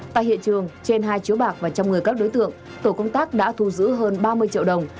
tại hiện trường trên hai chiếu bạc và trong người các đối tượng tổ công tác đã thu giữ hơn ba mươi triệu đồng